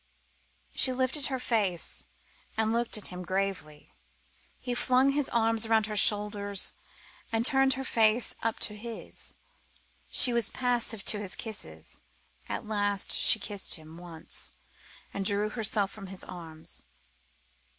She lifted her face and looked at him gravely. He flung his arm round her shoulders and turned her face up to his. She was passive to his kisses. At last she kissed him, once, and drew herself from his arms.